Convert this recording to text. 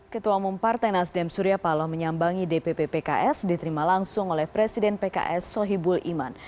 ketua umum partai nasdem surya paloh menyambangi dpp pks diterima langsung oleh presiden pks sohibul iman